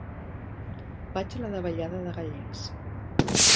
Vaig a la davallada de Gallecs.